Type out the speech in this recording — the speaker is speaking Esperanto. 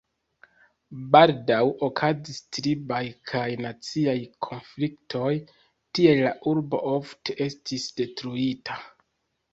Baldaŭ okazis tribaj kaj naciaj konfliktoj, tial la urbo ofte estis detruita.